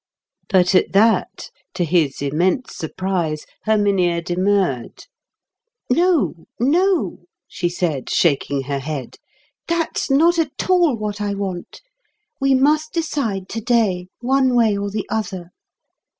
But at that, to his immense surprise, Herminia demurred. "No, no," she said, shaking her head, "that's not at all what I want. We must decide today one way or the other.